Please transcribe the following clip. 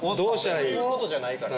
そういうことじゃないから！